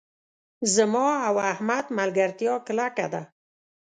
زما او احمد ملګرتیا کلکه ده.